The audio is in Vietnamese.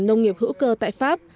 nông nghiệp hữu cơ tại pháp